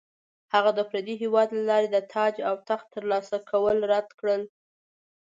هغه د پردي هیواد له لارې د تاج او تخت ترلاسه کول رد کړل.